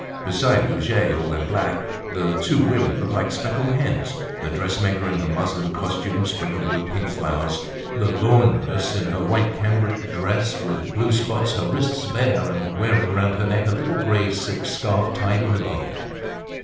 Beside Goujet, all in black, the two women looked like two speckled hens—the dressmaker in her muslin costume, sprinkled with pink flowers, the laundress in her white cambric dress with blue spots, her wrists bare, and wearing round her neck a little grey silk scarf tied in a bow.